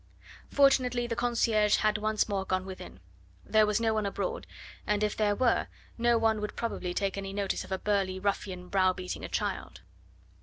Fortunately, the concierge had once more gone within; there was no one abroad, and if there were, no one probably would take any notice of a burly ruffian brow beating a child.